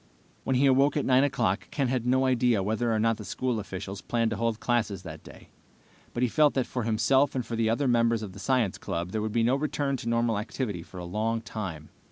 When he awoke at 9 o'clock Ken had no idea whether or not the school officials planned to hold classes that day, but he felt that for himself and the other members of the science club there would be no return to normal activity for a long time.